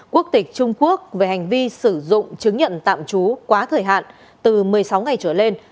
quốc tịch trung quốc về hành vi sử dụng chứng nhận tạm trú quá thời hạn từ một mươi sáu ngày trở lên